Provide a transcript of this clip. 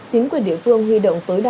chính quyền địa phương huy động tới